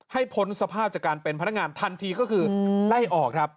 พ้นสภาพจากการเป็นพนักงานทันทีก็คือไล่ออกครับ